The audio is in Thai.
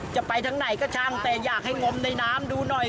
จะไปทางไหนก็ช่างแต่อยากให้งมในน้ำดูหน่อย